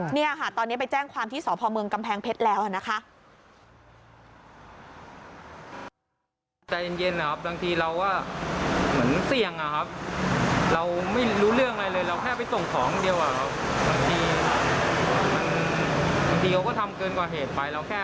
เนี่ยค่ะตอนนี้ไปแจ้งความที่สพเมืองกำแพงเพชรแล้วนะคะ